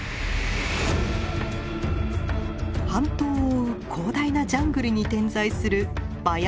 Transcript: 半島を覆う広大なジャングルに点在するマヤ文明の遺跡。